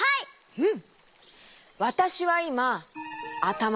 うん。